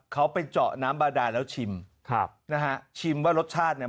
เขาไปเจาะน้ำบาดาแล้วชิมครับนะฮะชิมว่ารสชาติเนี่ย